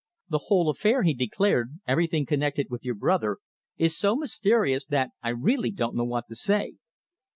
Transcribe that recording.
"The whole affair," he declared, "everything connected with your brother, is so mysterious that I really don't know what to say."